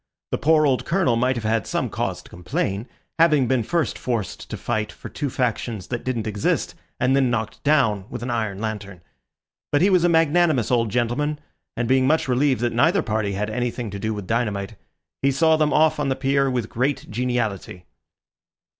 The poor old Colonel might have had some cause to complain, having been first forced to fight for two factions that didn't exist, and then knocked down with an iron lantern. But he was a magnanimous old gentleman, and being much relieved that neither party had anything to do with dynamite, he saw them off on the pier with great geniality.